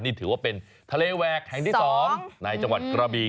นี่ถือว่าเป็นทะเลแหวกแห่งที่๒ในจังหวัดกระบี